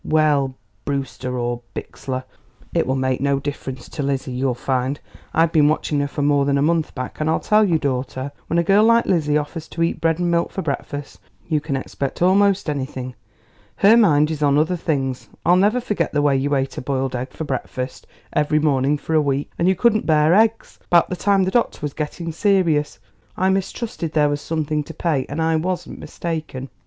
"Well, Brewster or Bixler; it will make no difference to Lizzie, you'll find. I've been watching her for more than a month back, and I'll tell you, daughter, when a girl like Lizzie offers to eat bread and milk for breakfast you can expect almost anything. Her mind is on other things. I'll never forget the way you ate a boiled egg for breakfast every morning for a week and you couldn't bear eggs about the time the doctor was getting serious. I mistrusted there was something to pay, and I wasn't mistaken."